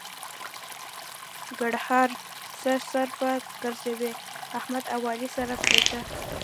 ګړهار: څه سر په ګرځوې؛ احمد او علي سره پرېږده.